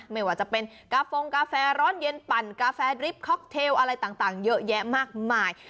ไม่ว่าจะเป็นกาโฟงกาแฟร้อนเย็นปั่นกาแฟดริปค็อกเทลอะไรต่างเยอะแยะมากมาย